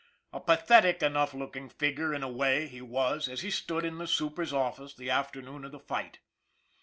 A pathetic enough looking figure, in a way, he was, as he stood in the super's office the afternoon of the fight.